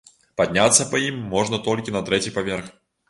Падняцца па ім можна толькі на трэці паверх.